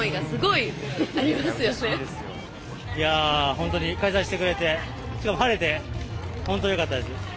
いやぁ、本当に開催してくれて、しかも晴れて、本当よかったです。